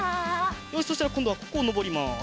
よしそしたらこんどはここをのぼります。